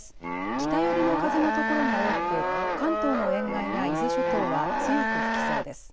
北寄りの風のところが多く関東の沿岸や伊豆諸島は強く吹きそうです。